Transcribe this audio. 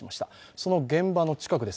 その現場の近くです。